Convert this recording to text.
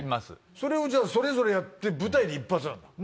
それをそれぞれやって舞台で一発なんだ？